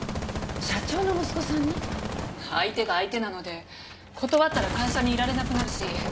相手が相手なので断ったら会社にいられなくなるしマリさん